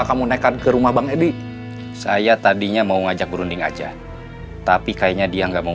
kamu nekat ke rumah bang edi saya tadinya mau ngajak berunding aja tapi kayaknya dia nggak mau